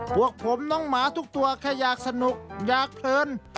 พวกผมน้องหมาทุกตัวแค่อยากสนุกอยากเพลิน